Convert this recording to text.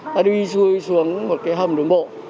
ta đi xuống một cái hầm đường bộ